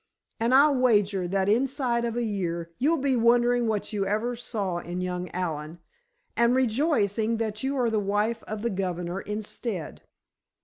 And I'll wager that inside of a year, you'll be wondering what you ever saw in young Allen, and rejoicing that you are the wife of the governor instead!"